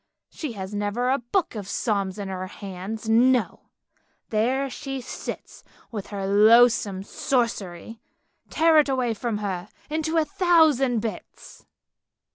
She has never a book of psalms in her hands, no, there she sits with her loathsome sorcery. Tear it away from her, into a thousand bits!